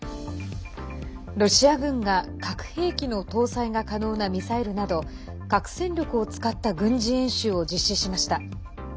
ロシア軍が核兵器の搭載が可能なミサイルなど核戦力を使った軍事演習を実施しました。